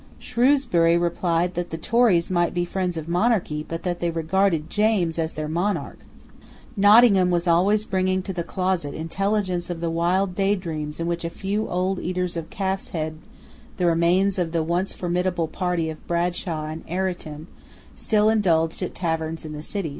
Shrewsbury replied that the Tories might be friends of monarchy, but that they regarded James as their monarch. Nottingham was always bringing to the closet intelligence of the wild daydreams in which a few old eaters of calf's head, the remains of the once formidable party of Bradshaw and Ireton, still indulged at taverns in the city.